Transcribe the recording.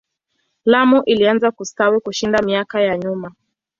Lamu ilianza kustawi kushinda miaka ya nyuma.